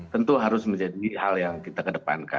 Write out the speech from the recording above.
tentu harus menjadi hal yang kita kedepankan